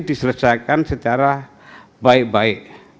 diselesaikan secara baik baik